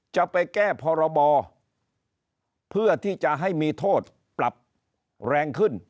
จะไปแก้พรบเพื่อที่จะให้มีโทษปรับแรงขึ้น